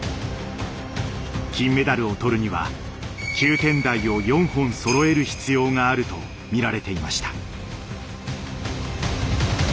金メダルを取るには９点台を４本そろえる必要があると見られていました。